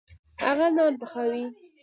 هغه نان پخوي.